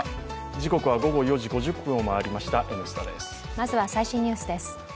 まずは最新ニュースです。